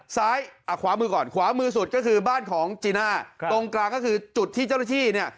ซ้ายอ่ะขวามือก่อนขวามือสุดก็คือบ้านของจีน่าตรงกลางก็คือจุดที่เจ้าหน้าที่เนี่ย